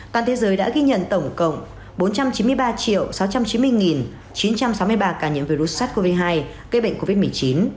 toàn thế giới đã ghi nhận tổng cộng bốn trăm chín mươi ba sáu trăm chín mươi chín trăm sáu mươi ba ca nhiễm virus sars cov hai gây bệnh covid một mươi chín